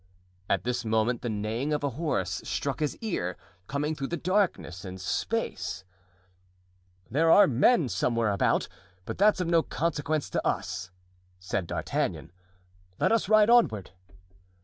At this moment the neighing of a horse struck his ear, coming through darkness and space. "There are men somewhere about, but that's of no consequence to us," said D'Artagnan; "let us ride onward."